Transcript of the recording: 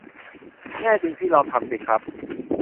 แน่จริงพี่ลองทำสิครับ